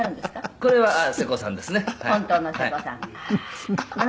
「これは瀬古さんですね」